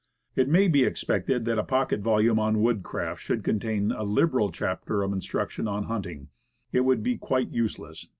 It may be expected that a pocket volume on wood craft should contain a liberal chapter of instruction on hunting. It would be quite useless.